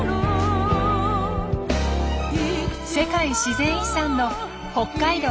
世界自然遺産の北海道知床半島。